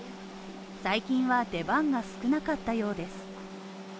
最近は出番が少なかったようです。